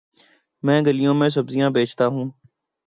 میں گلیوں میں سبزیاں بیچتا ہوں